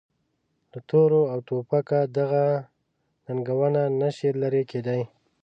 له توره او توپکه دغه ننګونې نه شي لرې کېدای.